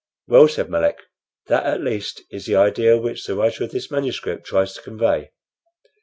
"Well," said Melick, "that at least is the idea which the writer of the manuscript tries to convey."